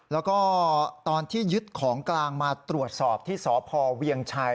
แล้วก็ตอนที่ยึดของกลางมาตรวจสอบที่สพเวียงชัย